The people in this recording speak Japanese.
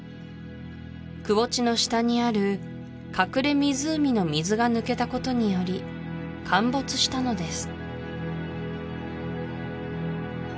くぼ地の下にある隠れ湖の水が抜けたことにより陥没したのです